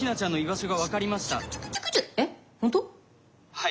はい。